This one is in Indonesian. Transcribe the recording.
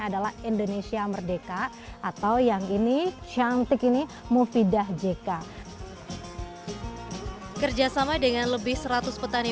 adalah indonesia merdeka atau yang ini cantik ini mufidah jk kerjasama dengan lebih seratus petani